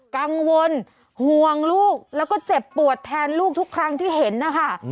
กังวลห่วงลูกแล้วก็เจ็บปวดแทนลูกทุกครั้งที่เห็นนะคะ